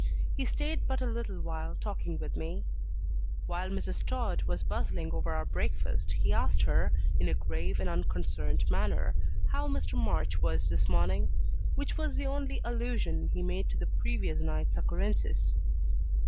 He stayed but a little while talking with me. While Mrs. Tod was bustling over our breakfast he asked her, in a grave and unconcerned manner, "How Mr. March was this morning?" which was the only allusion he made to the previous night's occurrences.